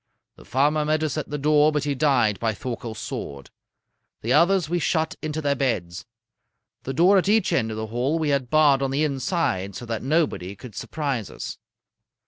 The farmer met us at the door, but he died by Thorkel's sword. The others we shut into their beds. The door at each end of the hall we had barred on the inside so that nobody could surprise us.